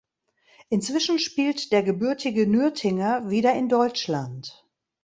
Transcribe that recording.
Inzwischen spielt der gebürtige Nürtinger wieder in Deutschland.